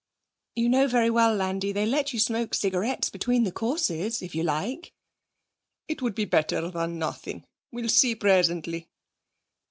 'You know very well, Landi, they let you smoke cigarettes between the courses, if you like.' 'It would be better than nothing. We'll see presently.'